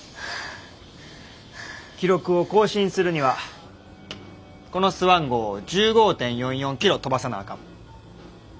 記録を更新するにはこのスワン号を１５．４４キロ飛ばさなあかん。